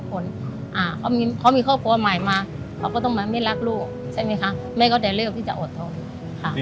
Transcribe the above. เขามีครอบครัวใหม่มาเขาก็ต้องมาไม่รักลูกใช่ไหมคะแม่ก็จะเลือกที่จะอดทนค่ะ